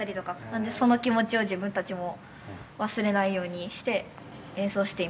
なんでその気持ちを自分たちも忘れないようにして演奏しています。